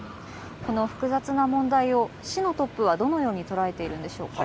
この複雑な問題を市のトップはどのように捉えているんでしょうか。